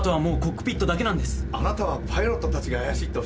あなたはパイロットたちが怪しいっておっしゃるんですか？